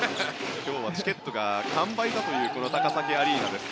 今日はチケットが完売だというこの高崎アリーナです。